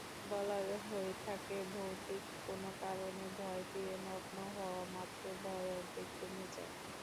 বলা হয়ে থাকে-ভৌতিক কোনো কারণে ভয় পেলে নগ্ন হওয়ামাত্র ভয় অর্ধেক কমে যায়।